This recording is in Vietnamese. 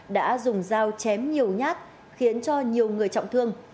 đã dùng dao chém nhiều nhát khiến cho nhiều người trọng thương